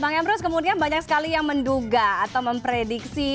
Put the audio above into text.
bang emrus kemudian banyak sekali yang menduga atau memprediksi